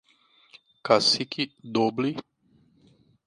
Cacique Doble